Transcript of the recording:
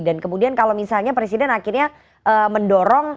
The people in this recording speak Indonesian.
dan kemudian kalau misalnya presiden akhirnya mendorong